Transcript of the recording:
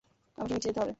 আমাকে নিচে যেতে হবে।